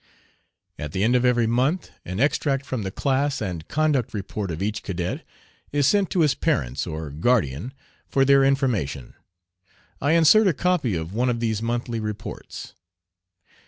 At the end of every month an extract from the class and conduct report of each cadet is sent to his parents or guardian for their information. I insert a copy of one of these monthly reports.